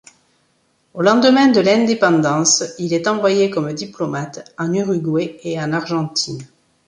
Au lendemain de l'indépendance, il est envoyé comme diplomate en Uruguay et en Argentine.